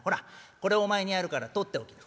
これお前にやるから取っておきな」。